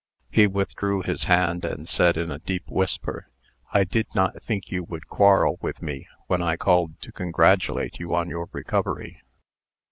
He withdrew his hand, and said, in a deep whisper: "I did not think you would quarrel with me, when I called to congratulate you on your recovery."